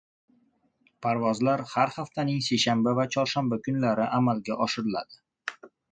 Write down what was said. Parvozlar har haftaning seshanba va chorshanba kunlari amalga oshiriladi